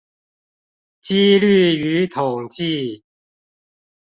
機率與統計